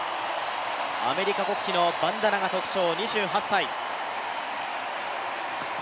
アメリカ国旗のバンダナが特徴、２８歳。